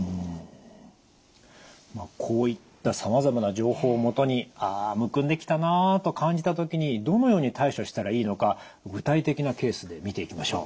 こういったさまざまな情報を基にああむくんできたなあと感じた時にどのように対処したらいいのか具体的なケースで見ていきましょう。